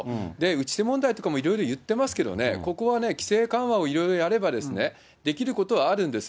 打ち手問題とかもいろいろいってますけどね、ここは規制緩和をいろいろやれば、できることはあるんです。